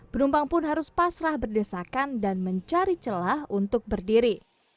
penumpang pun harus pasrah berdesakan dan mencari celah untuk berdiri